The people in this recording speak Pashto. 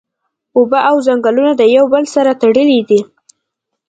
اوبه او ځنګلونه د یو او بل سره تړلی دی